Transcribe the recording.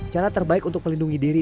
cara terbaik untuk melindungi diri